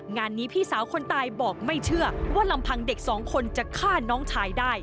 งานนี้พี่สาวคนตายบอกไม่เชื่อว่าลำพังเด็กสองคนจะฆ่าน้องชายได้